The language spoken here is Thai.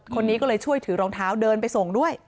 คนนี้ก็เลยช่วยถือรองเท้าเดินไปส่งด้วย